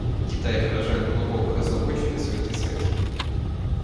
Китай выражает глубокую озабоченность в этой связи.